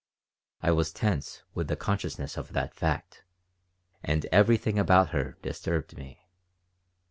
I was tense with the consciousness of that fact, and everything about her disturbed me.